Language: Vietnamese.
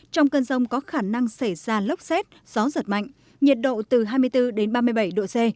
trong cơn rông có khả năng xảy ra lốc xét gió giật mạnh nhiệt độ từ hai mươi bốn đến ba mươi bảy độ c